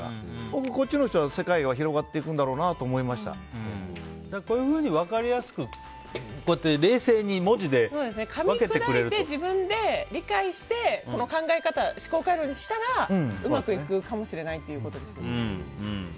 僕はこっちのほうが世界は広がっていくんだろうなとこういうふうに分かりやすく、冷静にかみくだいて自分で理解してこういう思考回路にしたらうまくいくかもしれないということですよね。